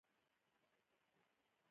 د کندهار هلمند تر دوه لارې راتېر شولو.